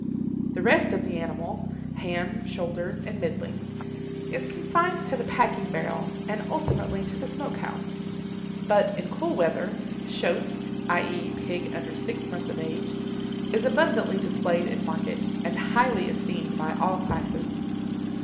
The rest of the animal—ham, shoulders, and middlings—is consigned to the packing barrel, and ultimately to the smoke house. But, in cool weather, "shoat"—i. e., pig under six months of age—is abundantly displayed in market, and highly esteemed by all classes.